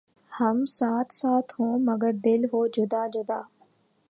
ھم ساتھ ساتھ ہوں مگر دل ہوں جدا جدا